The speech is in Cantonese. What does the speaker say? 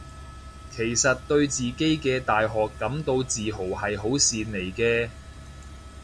其實對自己嘅大學感到自豪係好事嚟嘅